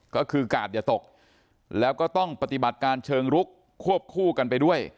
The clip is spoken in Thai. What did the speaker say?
ก็คือกาดอย่าตกแล้วก็ต้องปฏิบัติการเชิงลุกควบคู่กันไปด้วย